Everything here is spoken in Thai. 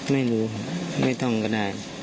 ไม่รู้ครับไม่ต้องก็ได้